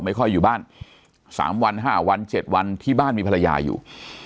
ไม่ค่อยอยู่บ้าน๓วัน๕วัน๗วันที่บ้านมีภรรยาอยู่